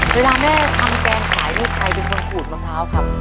เวลาแม่ทำแกงขายนี่ใครเป็นคนขูดมะพร้าวครับ